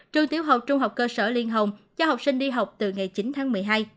trường tiểu học trung học cơ sở liên hồng cho học sinh đi học từ ngày chín tháng một mươi hai